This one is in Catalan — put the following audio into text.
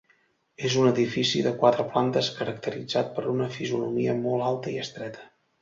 És un edifici de quatre plantes caracteritzat per una fisonomia molt alta i estreta.